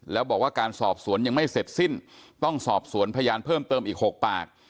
แล้วบอกว่าการสอบสวนยังไม่เสร็จสิ้นต้องสอบสวนพยานเพิ่มเติมอีก๖ปาก